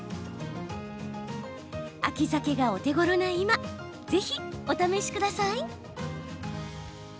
秋ザケがお手ごろな今ぜひお試しください。